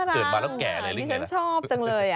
เกิดมาแล้วแก่เลยหรืออย่างนี้ล่ะฮ่าฮ่านี่ฉันชอบจังเลย